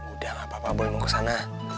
udah gapapa boy mau ke sana